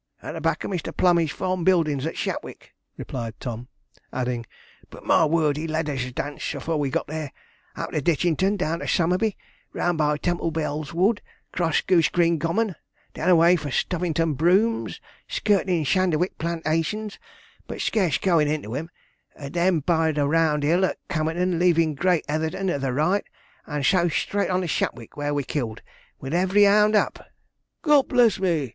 'At the back of Mr. Plummey's farm buildings, at Shapwick,' replied Tom; adding, 'but, my word, he led us a dance afore we got there up to Ditchington, down to Somerby, round by Temple Bell Wood, cross Goosegreen Common, then away for Stubbington Brooms, skirtin' Sanderwick Plantations, but scarce goin' into 'em, then by the round hill at Camerton leavin' great Heatherton to the right, and so straight on to Shapwick, where we killed, with every hound up ' 'God bless me!'